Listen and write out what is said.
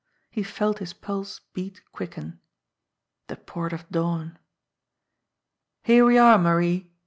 He felt his pulse beat quicken. The Port of Dawn! "Here we are, Marie